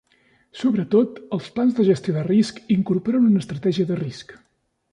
Sobretot, els plans de gestió de risc incorporen una estratègia de risc.